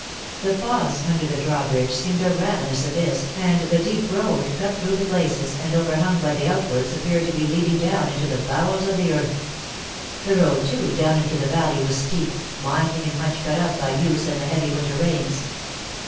The fosse under the drawbridge seemed a ravenous abyss, and the deep road cut through the glacis and overhung by the outworks appeared to be leading down into the bowels of the earth. The road, too, down into the valley was steep, winding and much cut up by use and the heavy winter rains.